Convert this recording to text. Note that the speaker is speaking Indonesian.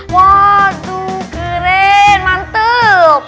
waduh keren mantap